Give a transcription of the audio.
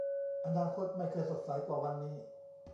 อนาคตไม่เคยสดใสกว่าวันนี้